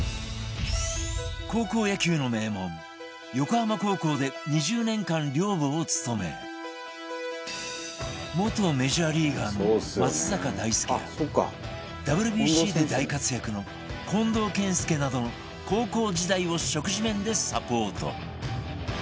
高校野球の名門横浜高校で２０年間寮母を務め元メジャーリーガーの松坂大輔や ＷＢＣ で大活躍の近藤健介などの高校時代を食事面でサポート